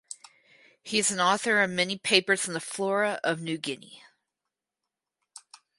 He is an author of many papers on the flora of New Guinea.